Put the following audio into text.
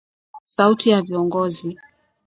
Sauti ya Viongozi